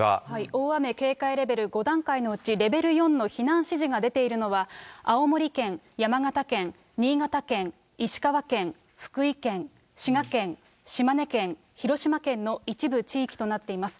大雨警戒レベル５段階のうち、レベル４の避難指示が出ているのは、青森県、山形県、新潟県、石川県、福井県、滋賀県、島根県、広島県の一部地域となっています。